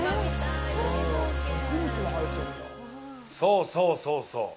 そうそうそうそう。